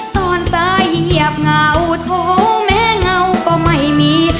ตอนซ้ายเหยียบเงาโถแม้เงาก็ไม่มี